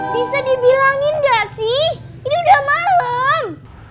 bisa dibilangin nggak sih ini udah malem